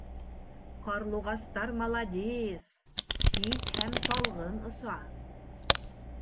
Ҡарлуғастар маладис, тиҙ һәм талғын оса.